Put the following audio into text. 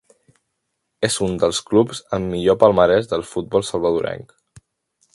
És un dels clubs amb millor palmarès del futbol salvadorenc.